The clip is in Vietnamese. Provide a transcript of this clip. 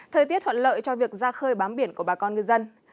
thời tiết thuận lợi cho việc ra khơi bám biển của bà con ngư dân